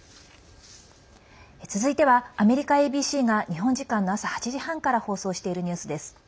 続いてはアメリカＡＢＣが日本時間の朝８時半から放送しているニュースです。